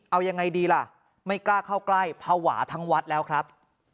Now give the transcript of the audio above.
เอายังไงดีล่ะไม่กล้าเข้าใกล้ภาวะทั้งวัดแล้วครับ